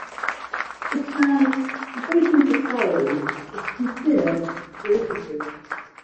The term "debating society" is considered derisive.